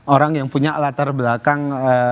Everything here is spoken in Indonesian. orang yang punya latar belakang